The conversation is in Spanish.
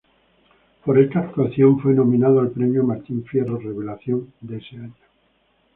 Por esta actuación fue nominado al premio Martín Fierro Revelación ese año.